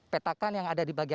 petakan yang ada di bagian